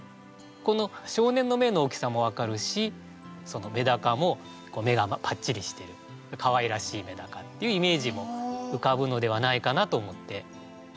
この少年の目の大きさも分かるしメダカも目がぱっちりしてるかわいらしいメダカっていうイメージも浮かぶのではないかなと思って。